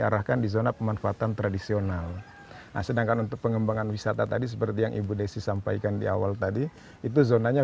skandal yang terjadi di dalam kompetisi ini jadi kita harus mengatasi bahwa ini adalah zona yang